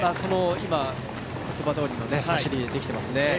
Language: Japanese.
今の言葉どおりの走りができていますね。